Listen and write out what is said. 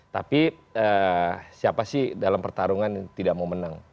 tapi siapa sih dalam pertarungan tidak mau menang